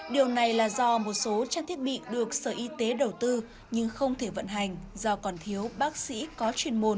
điều này là do một số trang thiết bị được sở y tế đầu tư nhưng không thể vận hành do còn thiếu bác sĩ có chuyên môn